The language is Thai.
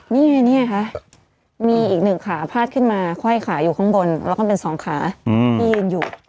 มีอีก๑ขาพาดขึ้นมาไขว่ขาอยู่ข้างบนแล้วก็เป็น๒ขาที่ยืนอยู่